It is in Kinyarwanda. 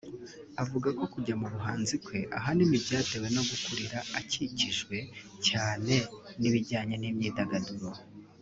Avuga ko kujya mu buhanzi kwe abahini byatewe no gukurira akikijwe cyane n’ibijyanye n’imyidagaduro